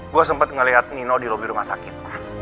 gue sempat ngeliat nino di lobi rumah sakit